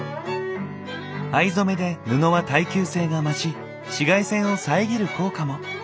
藍染めで布は耐久性が増し紫外線を遮る効果も。